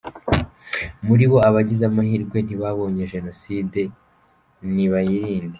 Muri bo, abagize amahirwe ntibabonye Jenoside ; nibayirinde.